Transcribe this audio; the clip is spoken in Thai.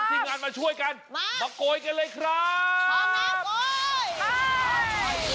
ที่งานมาช่วยกันมามาโกยกันเลยครับพร้อมแล้วโกย